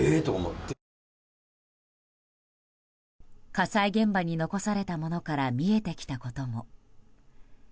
火災現場に残されたものから見えてきたことも。